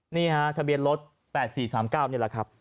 นี่ฮะทะเบียนรถ๘๔๓๙นี่แหละครับ